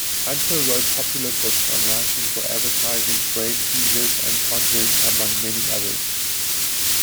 Hunter wrote popular books on writing for advertising, brain-teasers and conjuring among many others.